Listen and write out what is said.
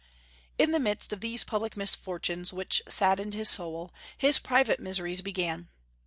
In the midst of these public misfortunes which saddened his soul, his private miseries began.